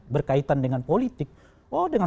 berkaitan dengan politik oh dengan